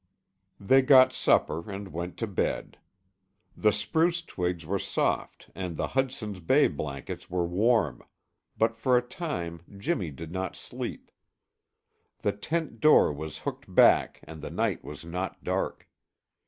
They got supper and went to bed. The spruce twigs were soft and the Hudson's Bay blankets were warm, but for a time Jimmy did not sleep. The tent door was hooked back and the night was not dark.